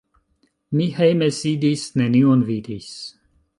Mi hejme sidis, nenion vidis.